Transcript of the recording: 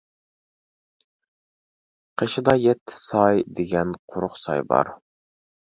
قېشىدا يەتتە ساي دېگەن قۇرۇق ساي بار.